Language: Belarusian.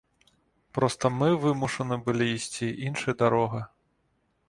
Проста мы вымушаны былі ісці іншай дарогай.